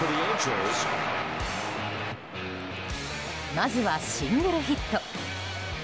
まずはシングルヒット。